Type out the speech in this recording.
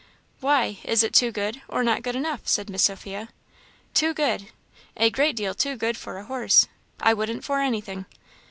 "Why, is it too good, or not good enough?" said Miss Sophia. "Too good! A great deal too good for a horse. I wouldn't for anything."